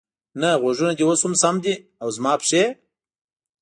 نه، غوږونه دې اوس هم سم دي، او زما پښې؟